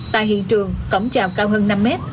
tại hiện trường cổng chào cao hơn năm mét